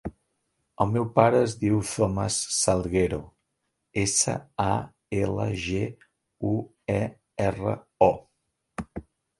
El meu pare es diu Thomas Salguero: essa, a, ela, ge, u, e, erra, o.